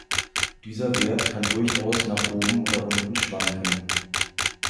Dieser Wert kann durchaus nach oben oder unten schwanken.